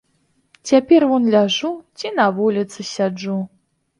Цяпер вунь ляжу ці на вуліцы сяджу.